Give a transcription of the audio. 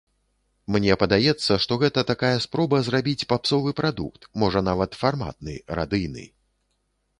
Мне падаецца, што гэта такая спроба зрабіць папсовы прадукт, можа, нават, фарматны, радыйны.